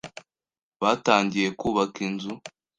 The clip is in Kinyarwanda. Batangiye kubaka inzu.